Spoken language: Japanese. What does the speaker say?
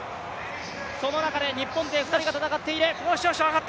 この中で日本勢２人が戦っている。